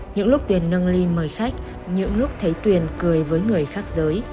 những lúc điền nâng ly mời khách những lúc thấy tuyền cười với người khác giới